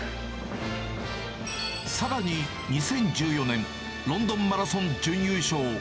さらに２０１４年、ロンドンマラソン準優勝。